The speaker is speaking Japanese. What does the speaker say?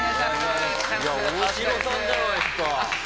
いや大城さんじゃないですか。